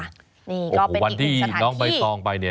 นี่ก็เป็นอีกหนึ่งสถานที่วันที่น้องใบทองไป